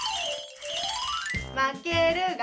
まけるが。